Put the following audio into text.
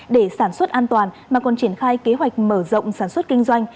để sản xuất an toàn mà còn triển khai kế hoạch mở rộng sản xuất kinh doanh